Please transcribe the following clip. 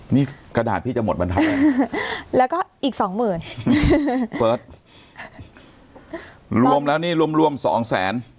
นี่กระดาษพี่จะหมดบรรทัศน์แล้วก็อีกสองหมื่นเฟิร์สรวมแล้วนี่รวมรวมสองแสน